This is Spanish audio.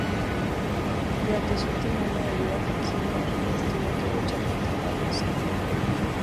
Durante su último año de vida, Joaquín Garrigues tuvo que luchar contra la leucemia.